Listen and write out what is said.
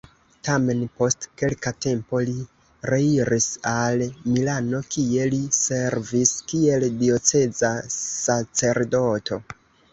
Tamen, post kelka tempo li reiris al Milano, kie li servis kiel dioceza sacerdoto.